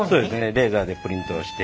レーザーでプリントをして。